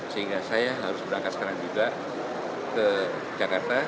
sehingga saya harus berangkat sekarang juga ke jakarta